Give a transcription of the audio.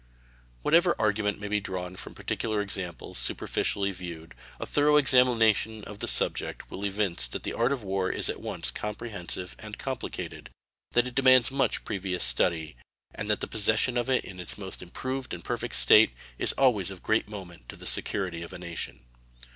Whatever argument may be drawn from particular examples superficially viewed, a thorough examination of the subject will evince that the art of war is at once comprehensive and complicated, that it demands much previous study, and that the possession of it in its most improved and perfect state is always of great moment to the security of a nation.